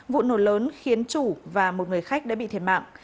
vụ nổ lớn khiến chủ và một người khách đã bị thiệt mạng